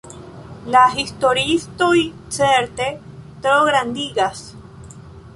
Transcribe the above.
La historiistoj certe trograndigas!